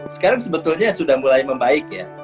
sekarang sebetulnya sudah mulai membaik ya